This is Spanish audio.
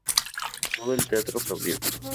Todo el teatro aplaudió.